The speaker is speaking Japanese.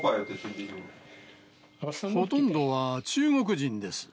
ほとんどは中国人です。